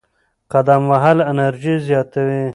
قدم وهل انرژي زیاتوي.